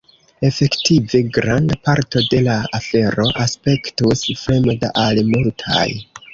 Efektive granda parto de la afero aspektus fremda al multaj.